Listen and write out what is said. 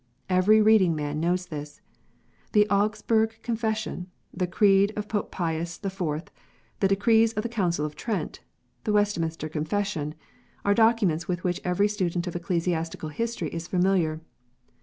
Every reading man knows this. The Augsburg Con fession, the Creed of Pope Pius IV., the Decrees of the Council of Trent, the Westminster Confession, are documents with which every student of ecclesiastical history is familiar.